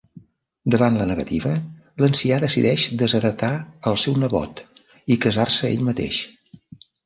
Davant la negativa, l'ancià decideix desheretar al seu nebot i casar-se ell mateix.